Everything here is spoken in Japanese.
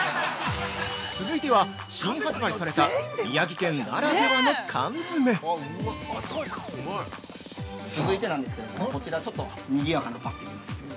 ◆続いては、新発売された、宮城県ならではの缶詰！◆続いてなんですけれどもこちら、ちょっとにぎやかなパッケージなんですけど。